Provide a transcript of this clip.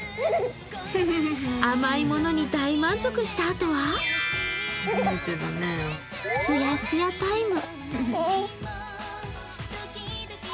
甘い物に大満足したあとはすやすやタイム。